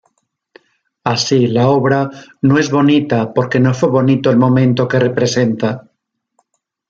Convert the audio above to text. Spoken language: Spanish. Así, la obra "no es bonita, porque no fue bonito el momento que representa".